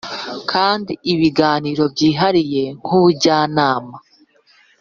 Kandi ibiganiro byihariye nk ubujyanama